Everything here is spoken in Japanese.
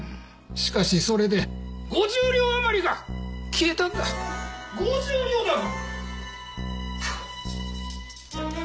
しかしそれで５０両あまりが消えたんだ・５０両だぞ！